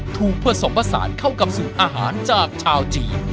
ผสมผสานเข้ากับสูตรอาหารจากชาวจีน